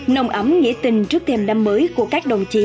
nồng ấm nghĩa tình trước thềm năm mới của các đồng chí